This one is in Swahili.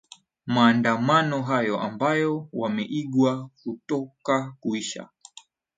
maandamano hayo ambayo wameigwa kutoka kuisha